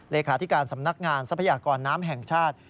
เลขาธิการสำนักงานทรัพยากรน้ำแห่งชาติ